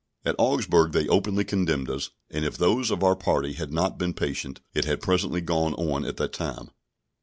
At Augsburg they openly condemned us; and if those of our party had not been patient, it had presently gone on at that time.